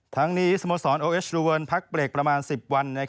ทั้งนี้สมสรรค์โอเอสรุเวิลพักเปลกประมาณ๑๐วัน